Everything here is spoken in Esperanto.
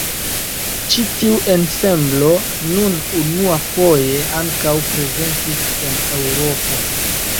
Ĉi tiu ensemblo nun unuafoje ankaŭ prezentis en Eŭropo.